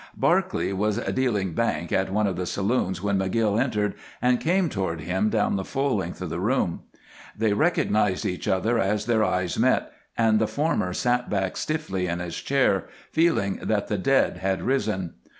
Barclay was dealing "bank" in one of the saloons when McGill entered and came toward him down the full length of the room. They recognized each other as their eyes met, and the former sat back stiffly in his chair, feeling that the dead had risen.